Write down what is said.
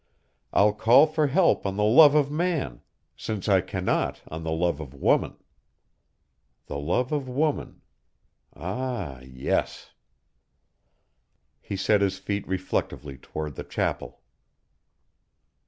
I'll call for help on the love of man, since I cannot on the love of woman. The love of woman ah yes." He set his feet reflectively toward the chapel.